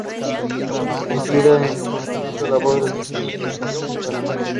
Cumplida una encomiable labor junto a Billo Frómeta, migran a Panamá.